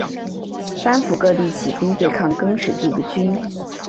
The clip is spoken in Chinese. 三辅各地起兵对抗更始帝军。